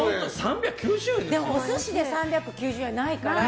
でも、お寿司で３９０円はないから。